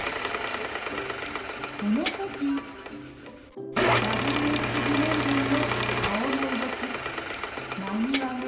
この時Ｗｈ−疑問文の顔の動き眉あげ